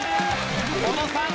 小野さん